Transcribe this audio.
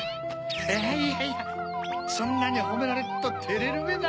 いやいやそんなにほめられるとてれるべな！